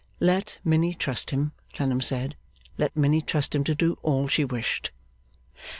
Let Minnie trust him, Clennam said, let Minnie trust him to do all she wished.